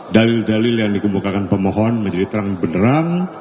dalil dalil yang dikemukakan pemohon menjadi terang benerang